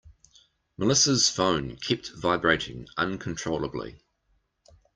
Melissa's phone kept vibrating uncontrollably.